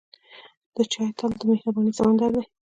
د چای تل د مهربانۍ سمندر دی.